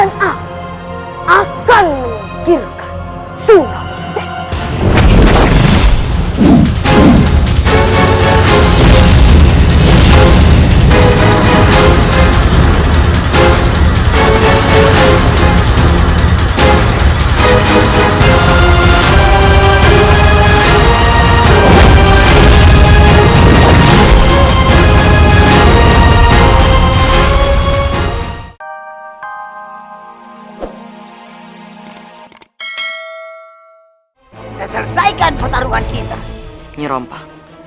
dan aku akan menggirakan semua proses